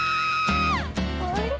あれ？